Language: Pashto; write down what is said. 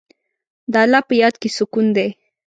د الله په یاد کې سکون دی.